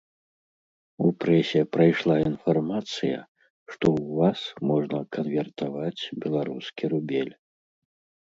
У прэсе прайшла інфармацыя, што ў вас можна канвертаваць беларускі рубель.